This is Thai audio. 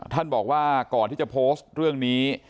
บอกว่าก่อนที่จะโพสต์เรื่องนี้